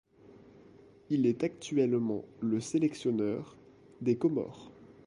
Il est actuellement le sélectionneur des Comores.